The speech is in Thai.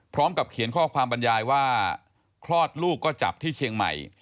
พร้อมกับเขียนข้อความบรรยายว่าคลอดลูกก็จับที่เชียงใหม่